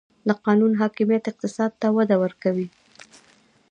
د قانون حاکمیت اقتصاد ته وده ورکوي؟